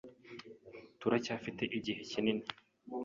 Turacyafite igihe kinini.